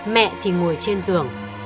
mẹ thì ngồi trên giường